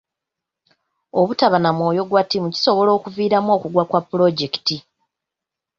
Obutaba na mwoyo gwa ttiimu kisobola okuviiramu okugwa kwa pulojekiti.